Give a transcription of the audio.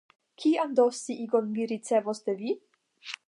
Kian do sciigon mi ricevos de vi?